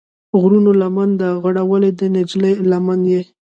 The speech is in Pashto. غرونو لمن ده غوړولې، د نجلۍ لمن یې